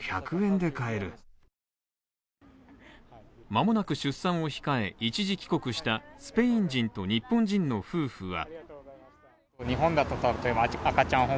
まもなく出産を控え、一時帰国したスペイン人と日本人の夫婦は。